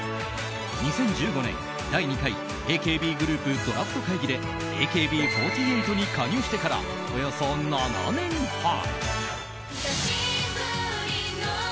２０１５年、第２回ＡＫＢグループドラフト会議でＡＫＢ４８に加入してからおよそ７年半。